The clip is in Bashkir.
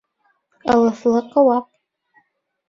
Ылыҫлы ҡыуаҡ.